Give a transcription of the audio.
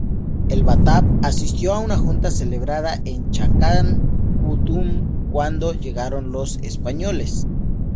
El Batab asistió a una junta celebrada en Chakán Putum cuando llegaron los españoles.